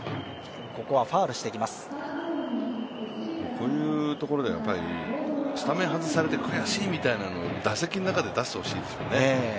こういうところでスタメン外されて悔しいみたいなの打席の中で出してほしいでしょうね。